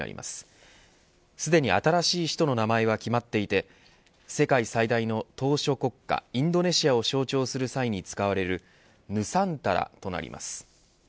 すでに新しい首都の名前は決まっていて世界最大の島しょ国家インドネシアを象徴する際に使われるヌサンタラとなります。